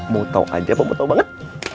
mau tau aja apa mau tau banget